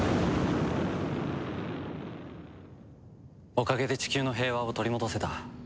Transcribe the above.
おかげで地球の平和は取り戻せた。